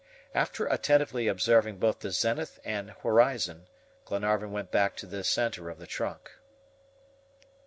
After attentively observing both the zenith and horizon, Glenarvan went back to the center of the trunk.